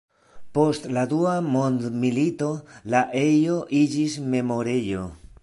Post la dua mondmilito la ejo iĝis memorejo.